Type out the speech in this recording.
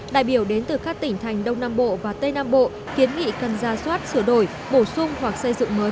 đại biểu đến từ các tỉnh thành đông nam bộ và tây nam bộ kiến nghị cần ra soát sửa đổi bổ sung hoặc xây dựng mới